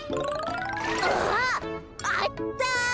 あっあった。